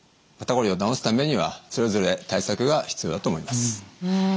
肩こりを治すためにはそれぞれ対策が必要だと思います。